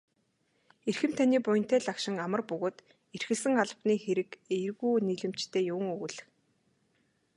Эрхэм таны буянтай лагшин амар бөгөөд эрхэлсэн албаны хэрэг эергүү нийлэмжтэй юун өгүүлэх.